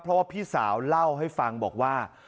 เพราะว่าพี่สาวเล่าให้ฟังบอกว่า